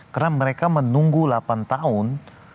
karena mereka menunggu delapan tahun